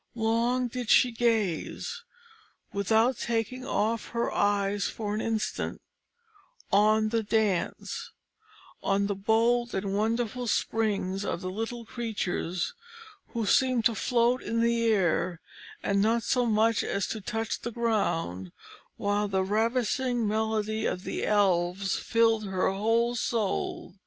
Long did she gaze, without taking off her eyes for an instant, on the dance on the bold and wonderful springs of the little creatures, who seemed to float in the air, and not so much as to touch the ground, while the ravishing melody of the Elves filled her whole soul.